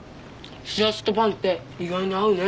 しらすとパンって意外に合うね。